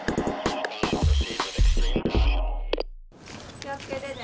気をつけてね。